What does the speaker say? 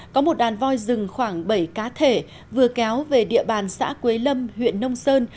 có một đàn voi rừng khoảng bảy cá thể vừa kéo về địa bàn xã quế lâm huyện nông sơn